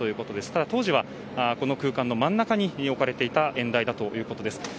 ただ、当時はこの空間の真ん中に置かれていた演台ということです。